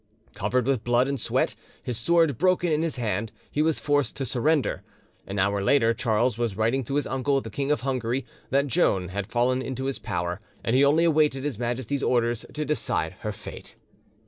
Covered with blood and sweat, his sword broken in his hand, he was forced to surrender. An hour later Charles was writing to his uncle, the King of Hungary, that Joan had fallen into his power, and he only awaited His Majesty's orders to decide her fate.